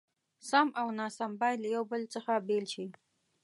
سم او ناسم بايد له يو بل څخه بېل شي.